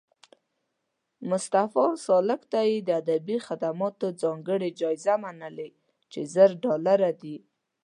مصطفی سالک ته یې د ادبي خدماتو ځانګړې جایزه منلې چې زر ډالره دي